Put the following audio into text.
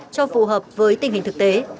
cho phù hợp với tình hình thực tế